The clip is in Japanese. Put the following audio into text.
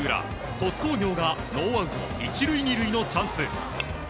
鳥栖工業がノーアウト１塁２塁のチャンス。